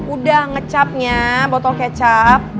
udah ngecapnya botol kecap